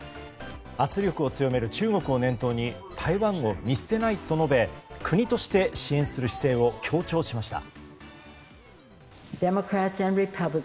圧力を強める中国を念頭に台湾を見捨てないと述べ国として支援する姿勢を強調しました。